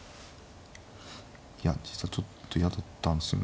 いや実はちょっと嫌だったんですよね